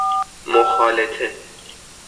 مخالطه